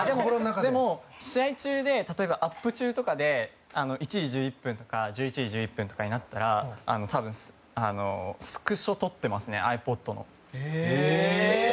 でも、試合中で例えばアップ中で１時１１分とか１１時１１分とかになったら多分、スクショ撮ってますねｉＰｏｄの。